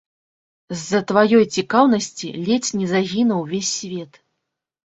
З-за тваёй цікаўнасці ледзь не загінуў увесь свет.